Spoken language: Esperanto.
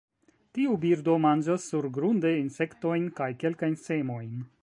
Tiu birdo manĝas surgrunde insektojn kaj kelkajn semojn.